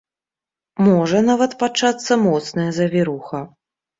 Можа нават пачацца моцная завіруха.